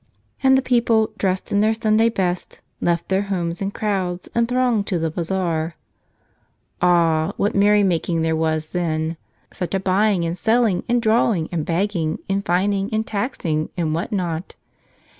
And the people, dressed in their Sunday best, left their homes in crowds and thronged to the bazaar. 32 The Power of Prayer Ah, what merry making there was then! Such a buy¬ ing and selling and drawing and begging and fining and taxing and what not!